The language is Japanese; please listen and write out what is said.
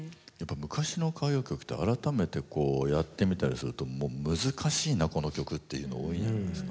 昔の歌謡曲って改めてこうやってみたりすると難しいなこの曲っていうの多いじゃないですか。